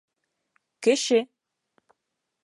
— Кеше!